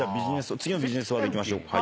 次のビジネスワードいきましょうか。